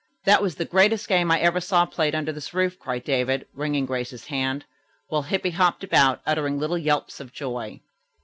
"That was the greatest game I ever saw played under this roof," cried David, wringing Grace's hand, while Hippy hopped about, uttering little yelps of joy.